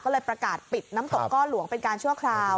ก็เลยประกาศปิดน้ำตกก้อหลวงเป็นการชั่วคราว